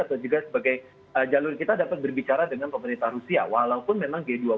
atau juga sebagai jalur kita dapat berbicara dengan pemerintah rusia walaupun memang g dua puluh